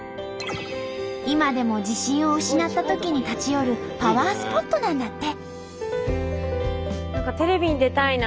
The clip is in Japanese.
今でも自信を失ったときに立ち寄るパワースポットなんだって。